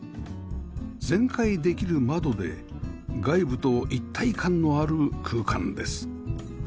全開できる窓で外部と一体感のある空間です